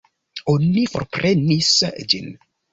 Oni forprenis ĝin.